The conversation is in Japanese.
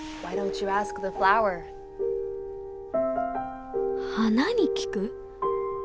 心の声花に聞く？